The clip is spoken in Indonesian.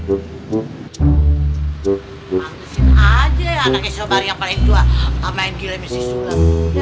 anggap aja ya anaknya sobari yang paling tua main gila misi sulam